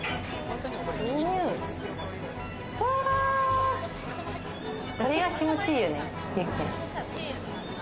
これが気持ち良いよね。